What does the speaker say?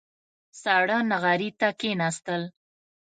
ساړه نغري ته کېناستل.